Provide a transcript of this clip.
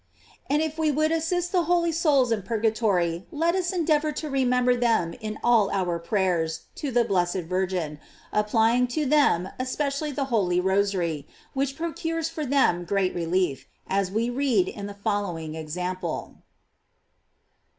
"* And if we would assist the holy souls in purgatory, let us endeavor to remember tliem in all our pray ers to the blessed Virgin, applying to them es pecially the holy rosary, which procures for them great relief, as we read in the following ex* amp>le.